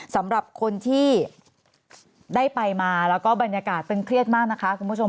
สำหรับคนที่ได้ไปมาแล้วก็บรรยากาศตึงเครียดมากนะคะคุณผู้ชม